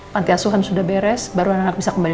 panti asuhan sudah beres baru anak anak bisa kembali